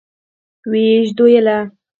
ويې ژدويله.